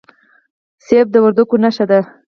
مڼه د وردګو نښه ده.